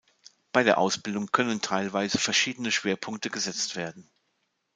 Bei der Ausbildung können teilweise verschiedene Schwerpunkte gesetzt werden.